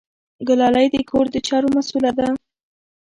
ګلالۍ د کور د چارو مسؤله ده.